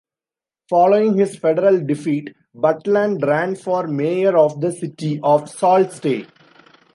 Following his federal defeat, Butland ran for mayor of the city of Sault Ste.